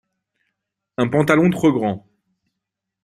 Un pantalon trop grand.